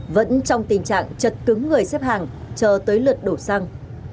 vẫn trong tình trạng chật cứng người xếp hàng chờ tới lượt đổ xăng